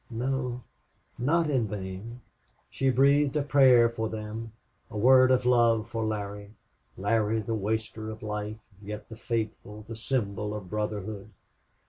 No not in vain! She breathed a prayer for them a word of love for Larry. Larry, the waster of life, yet the faithful, the symbol of brotherhood.